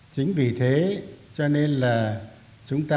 chính vì thế cho nên là chúng ta mới có ba mức tín nhiệm